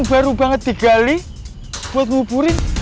baru banget digali buat nguburin